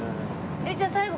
じゃあ最後